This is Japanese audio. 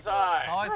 はい。